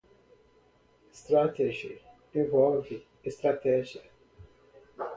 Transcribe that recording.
Strategy envolve estratégia.